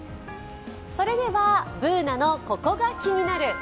それではＢｏｏｎａの「ココがキニナル」。